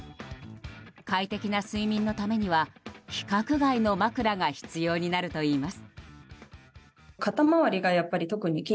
快適な睡眠のためには規格外の枕が必要になるといいます。